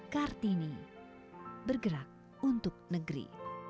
kartini bergerak untuk negeri